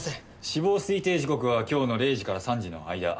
死亡推定時刻は今日の０時から３時の間。